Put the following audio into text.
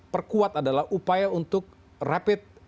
perkuat adalah upaya untuk rapid